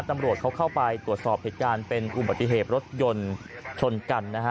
ตำรวจเขาเข้าไปตรวจสอบเหตุการณ์เป็นอุบัติเหตุรถยนต์ชนกันนะฮะ